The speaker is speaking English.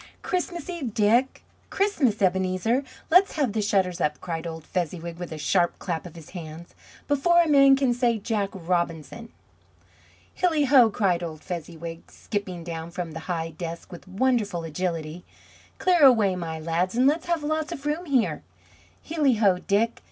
Christmas Eve, Dick! Christmas, Ebenezer! Let's have the shutters up!" cried old Fezziwig with a sharp clap of his hands, "before a man can say Jack Robinson...." "Hilli ho!" cried old Fezziwig, skipping down from the high desk with wonderful agility. "Clear away, my lads, and let's have lots of room here! Hilli ho, Dick!